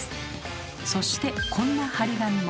そしてこんな貼り紙も。